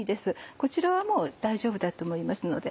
こちらはもう大丈夫だと思いますので。